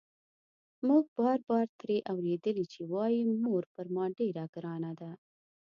موږ بار بار ترې اورېدلي چې وايي مور پر ما ډېره ګرانه ده.